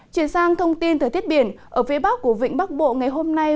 chuyển sang thông tin thời tiết biển ở phía bắc của vĩnh bắc bộ ngày hôm nay